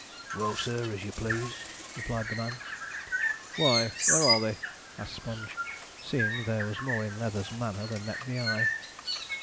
'Well, sir, as you please,' replied the man. 'Why, where are they?' asked Sponge, seeing there was more in Leather's manner than met the eye.